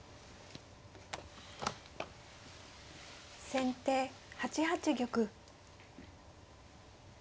先手８八玉。